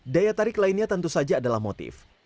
daya tarik lainnya tentu saja adalah motif